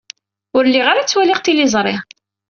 Ur lliɣ ara ttwaliɣ tiliẓri.